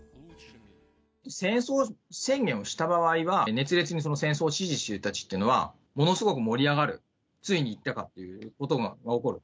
戦争宣言をした場合は熱烈にその戦争を支持している人たちというのは、ものすごく盛り上がる、ついにいったかということが起こる。